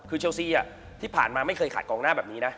คือเชลซี่ที่ผ่านมาไม่เคยขาดกองหน้าแบบนี้นะ